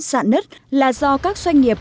sạn nứt là do các doanh nghiệp